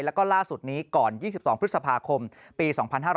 แล้วก็ล่าสุดนี้ก่อน๒๒พฤษภาคมปี๒๕๕๙